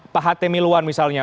pak hatemiluan misalnya